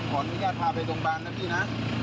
ขออนุญาตพาไปโรงพยาบาลนะพี่นะ